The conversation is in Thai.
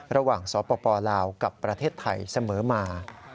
ระหว่างสปลาวกับประเทศไทยเสมอมา